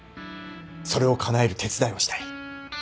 それをかなえる手伝いをしたい。